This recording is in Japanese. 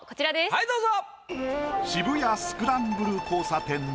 はいどうぞ。